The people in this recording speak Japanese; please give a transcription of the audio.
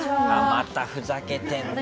またふざけてんな。